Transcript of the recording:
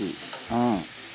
うん」